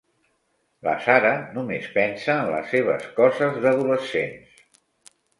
La Sara només pensa en les seves coses d'adolescents.